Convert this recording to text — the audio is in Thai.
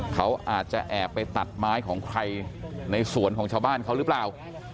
เขาอาจจะแอบไปตัดไม้ของใครในสวนของชาวบ้านเขาหรือเปล่า